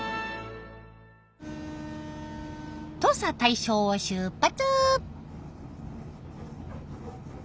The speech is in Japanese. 土佐大正を出発！